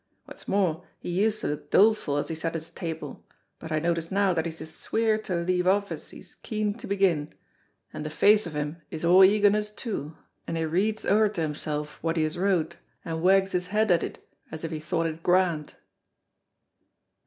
What's more, he used to look doleful as he sat at his table, but I notice now that he's as sweer to leave off as he's keen to begin, and the face of him is a' eagerness too, and he reads ower to himself what he has wrote and wags his head at it as if he thought it grand."